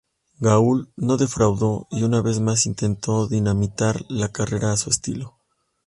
Gaul no defraudó, y una vez más, intentó dinamitar la carrera a su estilo.